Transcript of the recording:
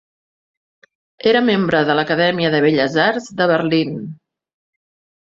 Era membre de l'Acadèmia de Belles Arts de Berlín.